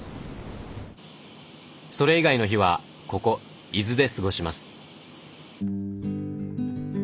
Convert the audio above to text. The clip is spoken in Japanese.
それ以外の日はここ伊豆で過ごします。